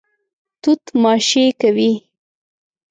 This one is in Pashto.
توت ماشې کوي.